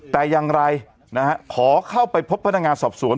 แต่อย่างไรนะฮะขอเข้าไปพบพนักงานสอบสวน